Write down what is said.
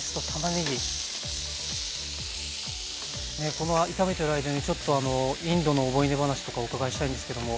この炒めている間にちょっとインドの思い出話とかをお伺いしたいんですけども。